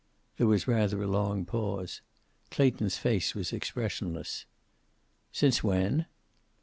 There was rather a long pause. Clayton's face was expressionless. "Since when?"